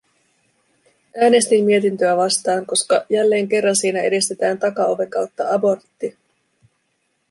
Äänestin mietintöä vastaan, koska jälleen kerran siinä edistetään takaoven kautta aborttia.